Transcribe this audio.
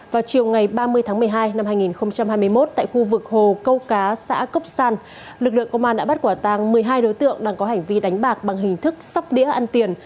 vào chiều ngày ba mươi tháng một mươi hai năm hai nghìn hai mươi một tại khu vực hồ câu cá xã cốc san lực lượng công an đã bắt quả tàng một mươi hai đối tượng đang có hành vi đánh bạc bằng hình thức sóc đĩa ăn tiền